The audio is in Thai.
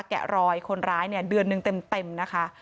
แกะรอยคนร้ายเนี่ยเดือนหนึ่งเต็มนะคะ